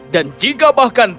dan jika bahkan